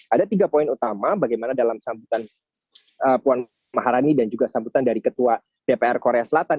ada tiga poin utama bagaimana dalam sambutan puan maharani dan juga sambutan dari ketua dpr korea selatan